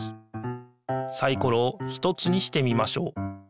サイコロを１つにしてみましょう。